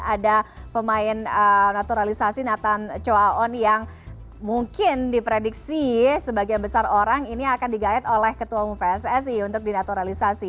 ada pemain naturalisasi nathan choaon ⁇ yang mungkin diprediksi sebagian besar orang ini akan digayat oleh ketua umum pssi untuk dinaturalisasi